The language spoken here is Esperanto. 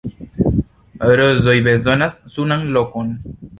Rozoj bezonas sunan lokon!